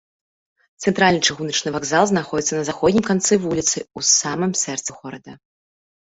Цэнтральны чыгуначны вакзал знаходзіцца на заходнім канцы вуліцы, у самым сэрцы горада.